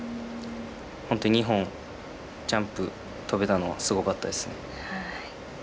本当、２本ジャンプ飛べたのがすごかったですね。